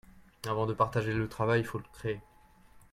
Avant de partager le travail, il faut le créer.